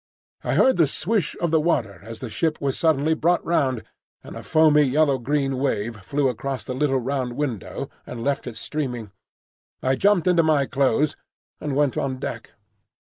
I heard the swish of the water as the ship was suddenly brought round, and a foamy yellow green wave flew across the little round window and left it streaming. I jumped into my clothes and went on deck.